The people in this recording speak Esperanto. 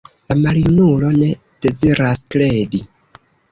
La maljunulo ne deziras kredi.